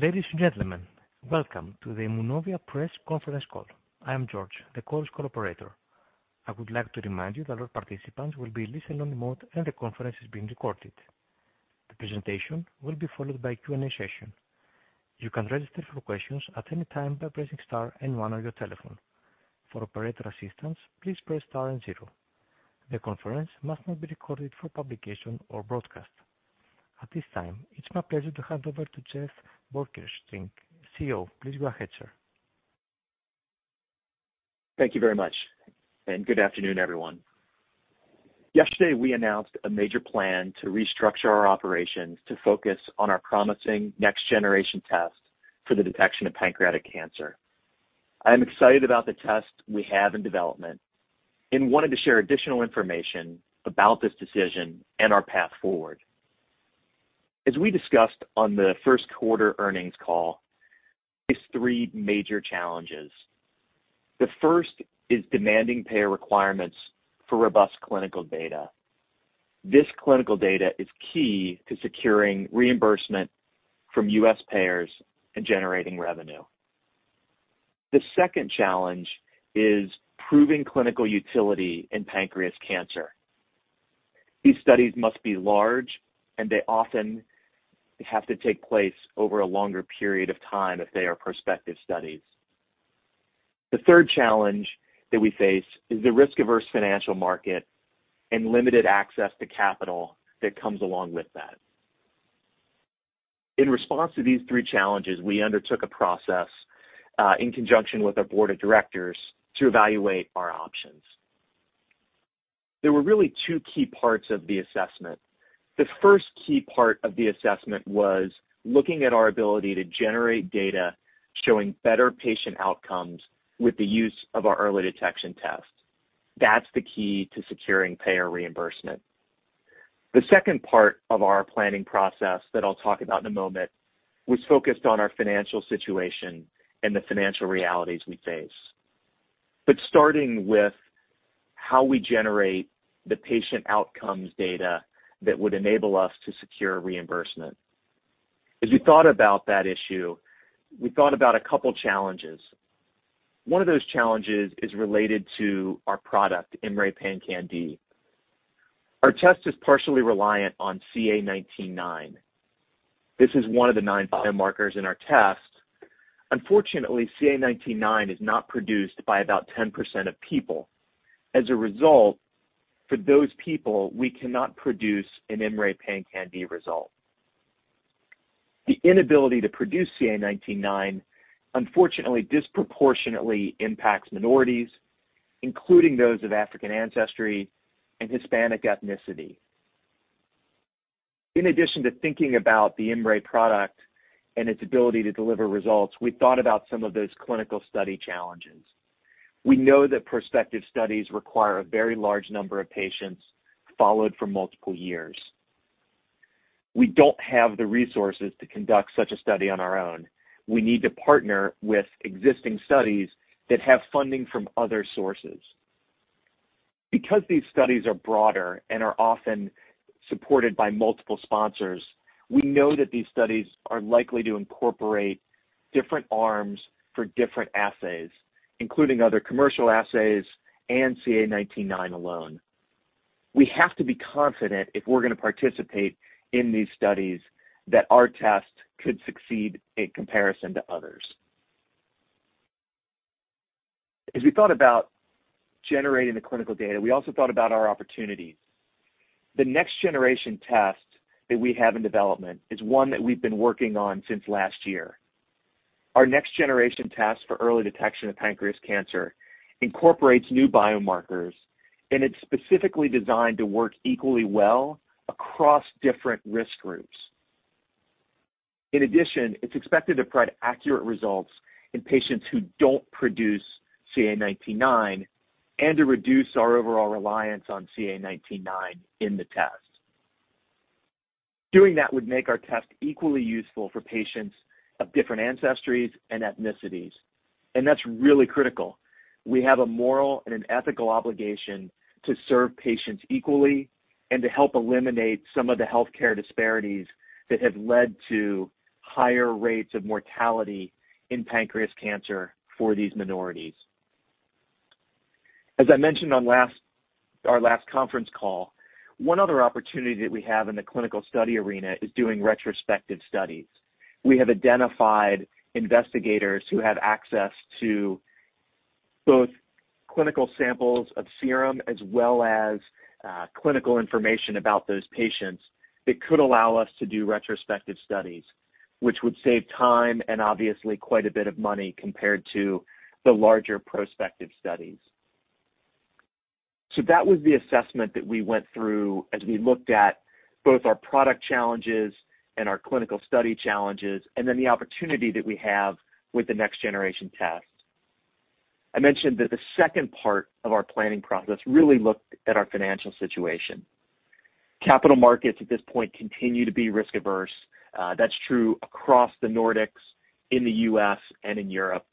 Ladies and gentlemen, welcome to the Immunovia Press Conference Call. I am George, the call's call operator. I would like to remind you that all participants will be in listen-only mode, and the conference is being recorded. The presentation will be followed by a Q&A session. You can register for questions at any time by pressing star and one on your telephone. For operator assistance, please press star and zero. The conference must not be recorded for publication or broadcast. At this time, it's my pleasure to hand over to Jeff Borcherding, CEO. Please go ahead, sir. Thank you very much, good afternoon, everyone. Yesterday, we announced a major plan to restructure our operations to focus on our promising next-generation test for the detection of pancreatic cancer. I am excited about the test we have in development and wanted to share additional information about this decision and our path forward. As we discussed on the first quarter earnings call, there's three major challenges. The first is demanding payer requirements for robust clinical data. This clinical data is key to securing reimbursement from U.S. payers and generating revenue. The second challenge is proving clinical utility in pancreas cancer. These studies must be large, and they often have to take place over a longer period of time if they are prospective studies. The third challenge that we face is the risk-averse financial market and limited access to capital that comes along with that. In response to these three challenges, we undertook a process, in conjunction with our board of directors, to evaluate our options. There were really two key parts of the assessment. The first key part of the assessment was looking at our ability to generate data, showing better patient outcomes with the use of our early detection test. That's the key to securing payer reimbursement. The second part of our planning process that I'll talk about in a moment, was focused on our financial situation and the financial realities we face. Starting with how we generate the patient outcomes data that would enable us to secure reimbursement. As we thought about that issue, we thought about a couple challenges. One of those challenges is related to our product, IMMray PanCan-d. Our test is partially reliant on CA19-9. This is one of the nine biomarkers in our test. Unfortunately, CA19-9 is not produced by about 10% of people. As a result, for those people, we cannot produce an IMMray PanCan-d result. The inability to produce CA19-9, unfortunately, disproportionately impacts minorities, including those of African ancestry and Hispanic ethnicity. In addition to thinking about the IMMray product and its ability to deliver results, we thought about some of those clinical study challenges. We know that prospective studies require a very large number of patients followed for multiple years. We don't have the resources to conduct such a study on our own. We need to partner with existing studies that have funding from other sources. Because these studies are broader and are often supported by multiple sponsors, we know that these studies are likely to incorporate different arms for different assays, including other commercial assays and CA19-9 alone. We have to be confident, if we're going to participate in these studies, that our test could succeed in comparison to others. As we thought about generating the clinical data, we also thought about our opportunities. The next-generation test that we have in development is one that we've been working on since last year. Our next-generation test for early detection of pancreas cancer incorporates new biomarkers, it's specifically designed to work equally well across different risk groups. In addition, it's expected to provide accurate results in patients who don't produce CA19-9 and to reduce our overall reliance on CA19-9 in the test. Doing that would make our test equally useful for patients of different ancestries and ethnicities, that's really critical. We have a moral and an ethical obligation to serve patients equally and to help eliminate some of the healthcare disparities that have led to higher rates of mortality in pancreatic cancer for these minorities. As I mentioned on our last conference call, one other opportunity that we have in the clinical study arena is doing retrospective studies. We have identified investigators who have access to both clinical samples of serum, as well as clinical information about those patients that could allow us to do retrospective studies, which would save time and obviously, quite a bit of money compared to the larger prospective studies. That was the assessment that we went through as we looked at both our product challenges and our clinical study challenges, and then the opportunity that we have with the next-generation test. I mentioned that the second part of our planning process really looked at our financial situation. Capital markets at this point, continue to be risk averse. That's true across the Nordics, in the U.S., and in Europe.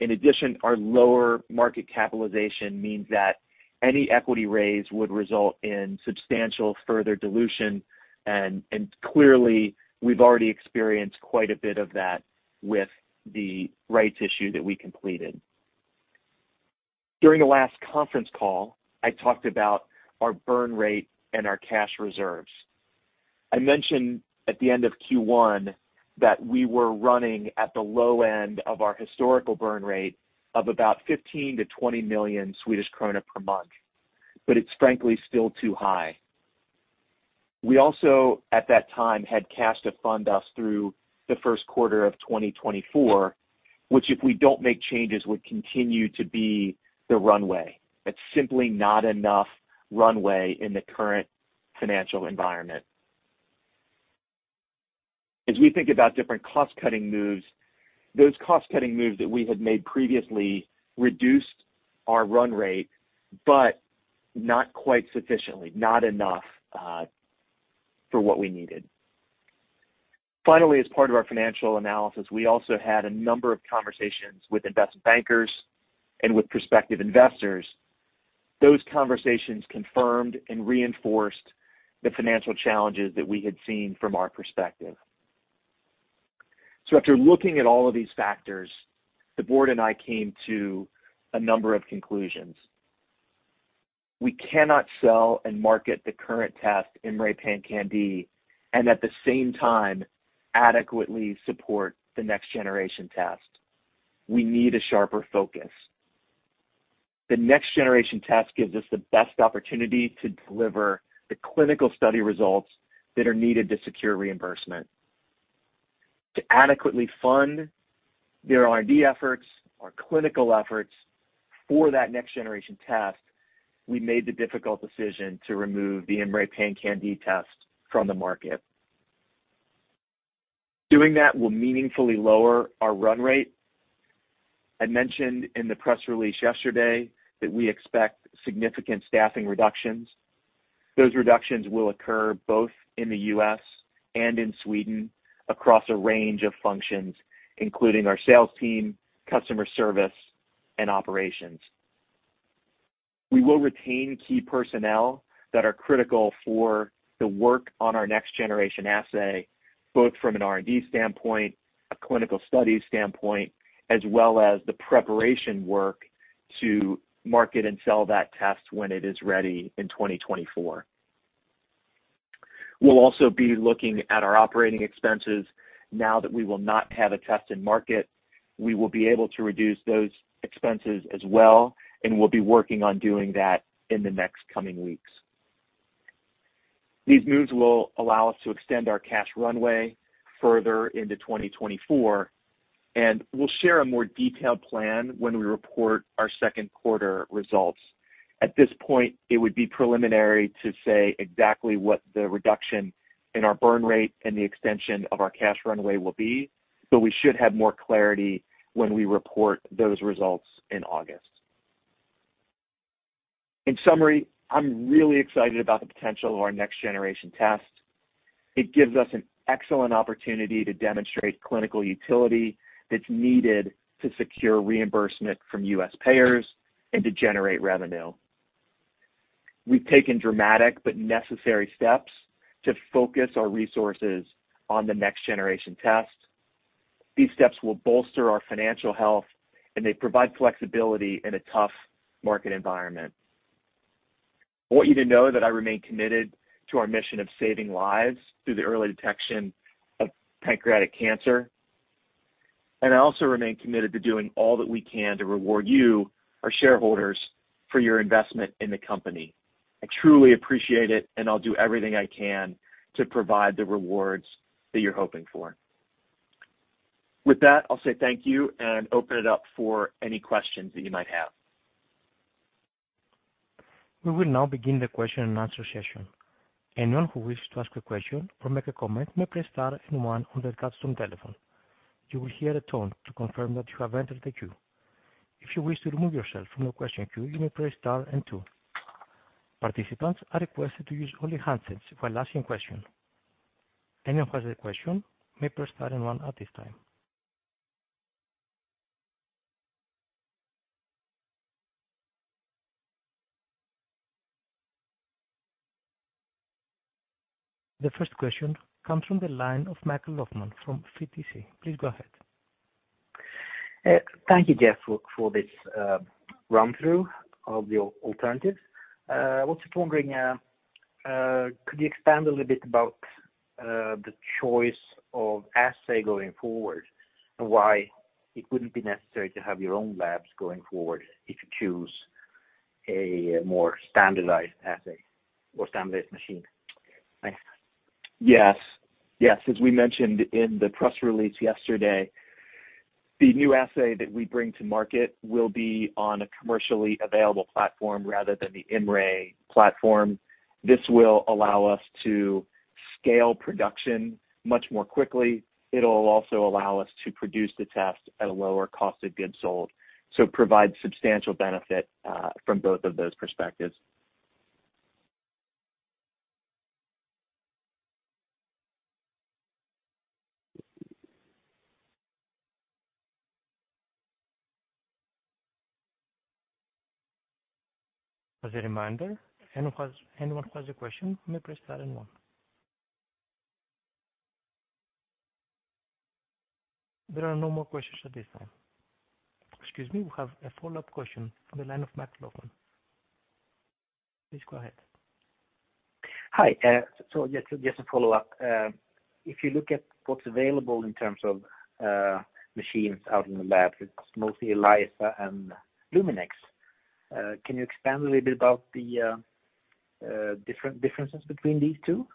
In addition, our lower market capitalization means that any equity raise would result in substantial further dilution, and clearly, we've already experienced quite a bit of that with the rights issue that we completed. During the last conference call, I talked about our burn rate and our cash reserves. I mentioned at the end of Q1 that we were running at the low end of our historical burn rate of about 15 million-20 million Swedish krona per month, but it's frankly still too high. We also, at that time, had cash to fund us through the first quarter of 2024, which, if we don't make changes, would continue to be the runway. It's simply not enough runway in the current financial environment. As we think about different cost-cutting moves, those cost-cutting moves that we had made previously reduced our run rate, but not quite sufficiently, not enough for what we needed. As part of our financial analysis, we also had a number of conversations with investment bankers and with prospective investors. Those conversations confirmed and reinforced the financial challenges that we had seen from our perspective. After looking at all of these factors, the board and I came to a number of conclusions. We cannot sell and market the current test, IMMray PanCan-d, and at the same time adequately support the next-generation test. We need a sharper focus. The next-generation test gives us the best opportunity to deliver the clinical study results that are needed to secure reimbursement. To adequately fund the R&D efforts, our clinical efforts for that next-generation test, we made the difficult decision to remove the IMMray PanCan-d test from the market. Doing that will meaningfully lower our run rate. I mentioned in the press release yesterday that we expect significant staffing reductions. Those reductions will occur both in the U.S. and in Sweden across a range of functions, including our sales team, customer service, and operations. We will retain key personnel that are critical for the work on our next-generation assay, both from an R&D standpoint, a clinical study standpoint, as well as the preparation work to market and sell that test when it is ready in 2024. We'll also be looking at our operating expenses. Now that we will not have a test in market, we will be able to reduce those expenses as well, and we'll be working on doing that in the next coming weeks. These moves will allow us to extend our cash runway further into 2024. We'll share a more detailed plan when we report our second quarter results. At this point, it would be preliminary to say exactly what the reduction in our burn rate and the extension of our cash runway will be. We should have more clarity when we report those results in August. In summary, I'm really excited about the potential of our next-generation test. It gives us an excellent opportunity to demonstrate clinical utility that's needed to secure reimbursement from U.S. payers and to generate revenue. We've taken dramatic but necessary steps to focus our resources on the next-generation test. These steps will bolster our financial health, and they provide flexibility in a tough market environment. I want you to know that I remain committed to our mission of saving lives through the early detection of pancreatic cancer, and I also remain committed to doing all that we can to reward you, our shareholders, for your investment in the company. I truly appreciate it, and I'll do everything I can to provide the rewards that you're hoping for. With that, I'll say thank you and open it up for any questions that you might have. We will now begin the question and answer session. Anyone who wishes to ask a question or make a comment may press star and one on their touch-tone telephone. You will hear a tone to confirm that you have entered the queue. If you wish to remove yourself from the question queue, you may press star and two. Participants are requested to use only handsets while asking questions. Anyone who has a question may press star and one at this time. The first question comes from the line of Michael Löfman from FTC. Please go ahead. Thank you, Jeff, for this run-through of the alternatives. I was just wondering, could you expand a little bit about the choice of assay going forward and why it wouldn't be necessary to have your own labs going forward if you choose a more standardized assay or standardized machine? Thanks. Yes. Yes, as we mentioned in the press release yesterday, the new assay that we bring to market will be on a commercially available platform rather than the IMMray platform. This will allow us to scale production much more quickly. It'll also allow us to produce the test at a lower cost of goods sold, so provide substantial benefit, from both of those perspectives. As a reminder, anyone who has a question, may press star and one. There are no more questions at this time. Excuse me, we have a follow up question from the line of Michael Löfman. Please go ahead. Hi. Just a follow up. If you look at what's available in terms of machines out in the lab, it's mostly ELISA and Luminex. Can you expand a little bit about the different differences between these two?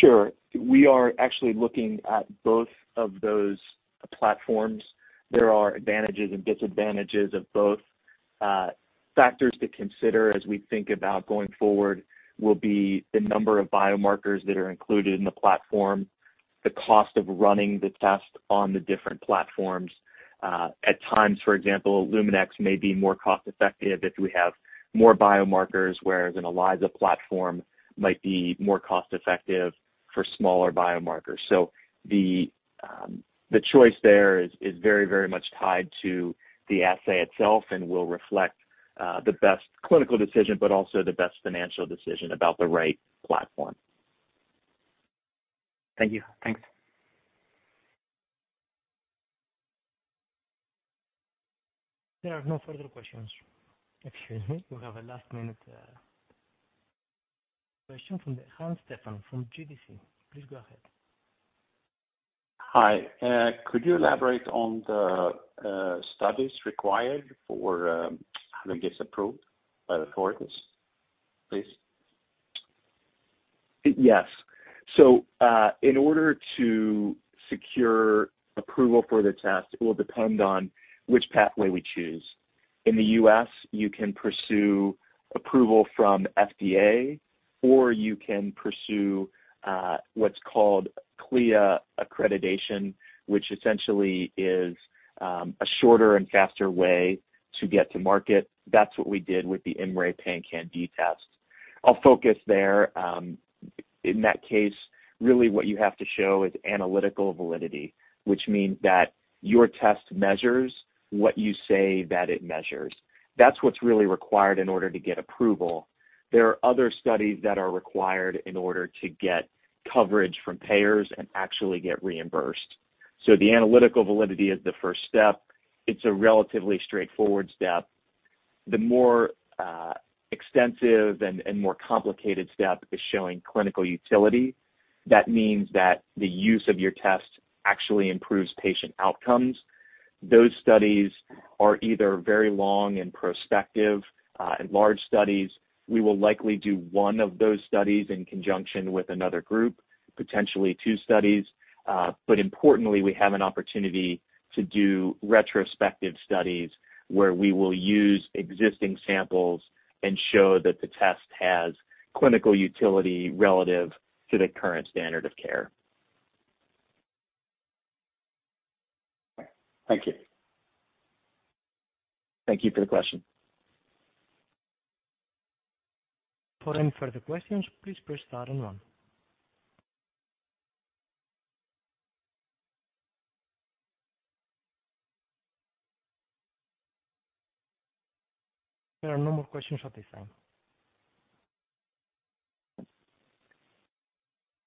Sure. We are actually looking at both of those platforms. There are advantages and disadvantages of both. Factors to consider as we think about going forward will be the number of biomarkers that are included in the platform, the cost of running the test on the different platforms. At times, for example, Luminex may be more cost effective if we have more biomarkers, whereas an ELISA platform might be more cost effective for smaller biomarkers. The choice there is very, very much tied to the assay itself and will reflect the best clinical decision, but also the best financial decision about the right platform. Thank you. Thanks. There are no further questions. Excuse me. We have a last minute question from Hans Stefan, from GDC. Please go ahead. Hi. Could you elaborate on the studies required for how it gets approved by the authorities, please? Yes. In order to secure approval for the test, it will depend on which pathway we choose. In the U.S., you can pursue approval from FDA, or you can pursue what's called CLIA accreditation, which essentially is a shorter and faster way to get to market. That's what we did with the IMMray PanCan-d test. I'll focus there. In that case, really what you have to show is analytical validity, which means that your test measures what you say that it measures. That's what's really required in order to get approval. There are other studies that are required in order to get coverage from payers and actually get reimbursed. The analytical validity is the first step. It's a relatively straightforward step. The more extensive and more complicated step is showing clinical utility. That means that the use of your test actually improves patient outcomes. Those studies are either very long and prospective, and large studies. We will likely do one of those studies in conjunction with another group, potentially two studies. Importantly, we have an opportunity to do retrospective studies where we will use existing samples and show that the test has clinical utility relative to the current standard of care. Thank you. Thank you for the question. For any further questions, please press star and one. There are no more questions at this time.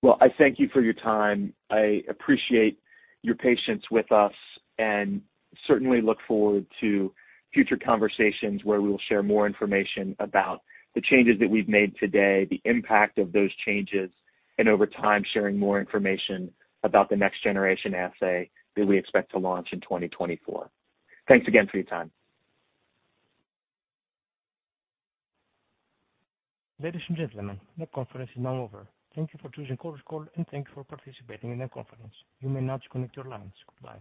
Well, I thank you for your time. I appreciate your patience with us, and certainly look forward to future conversations where we will share more information about the changes that we've made today, the impact of those changes, and over time, sharing more information about the next generation assay that we expect to launch in 2024. Thanks again for your time. Ladies and gentlemen, the conference is now over. Thank you for choosing Conference Call, and thank you for participating in the conference. You may now disconnect your lines. Goodbye.